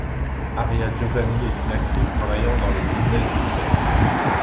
Aria Giovanni est une actrice travaillant dans le business du sexe.